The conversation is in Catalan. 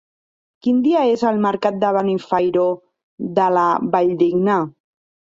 Quin dia és el mercat de Benifairó de la Valldigna?